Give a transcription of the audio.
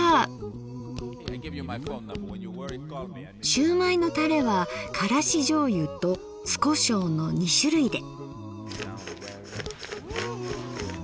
しゅうまいのタレはからしじょうゆと酢コショウの２種類で。